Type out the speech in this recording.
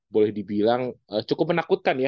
boleh dibilang cukup menakutkan